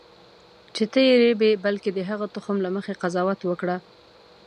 چې ته یې رېبې بلکې د هغه تخم له مخې قضاوت وکړه.